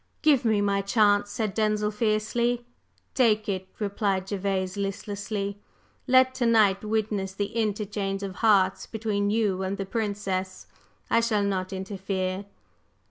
"Give me my chance!" said Denzil, fiercely. "Take it!" replied Gervase listlessly. "Let to night witness the interchange of hearts between you and the Princess; I shall not interfere."